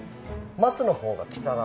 松の方が北側。